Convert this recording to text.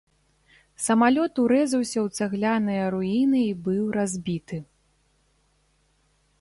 Самалёт урэзаўся ў цагляныя руіны і быў разбіты.